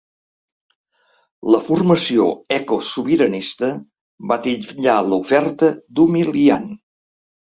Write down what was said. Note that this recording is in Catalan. La formació ‘eco-sobiranista’ va titllar l’oferta ‘d’humiliant’.